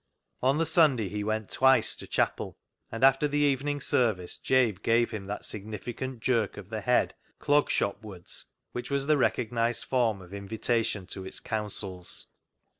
On the Sunday he went twice to chapel, and after the evening service Jabe gave him that significant jerk of the head Clog Shop wards which was the recognised form of invita tion to its councils.